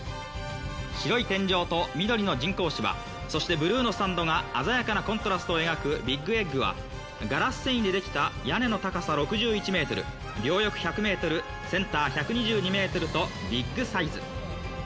白い天井と緑の人工芝、そしてブルーのスタンドが鮮やかなコントラストを描くＢＩＧＥＧＧは、ガラス繊維でできた屋根の高さ６１メートル、両翼１００メートル、センター１２２メートルと、ビッグサイズ。